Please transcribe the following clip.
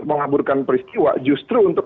mengaburkan peristiwa justru untuk